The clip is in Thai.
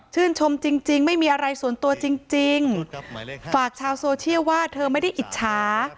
จริงไม่มีอะไรส่วนตัวจริงฝากชาวโซเชียลว่าเธอไม่ได้อิจฉา